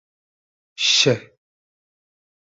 Sh